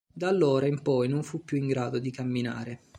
Da allora in poi non fu più in grado di camminare.